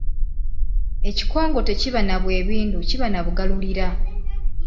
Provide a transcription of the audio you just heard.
Ekikongo tekiba na bwebindu kiba na Bugalulira.